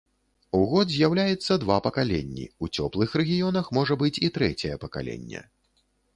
У год з'яўляецца два пакаленні, у цёплых рэгіёнах можа быць і трэцяе пакаленне.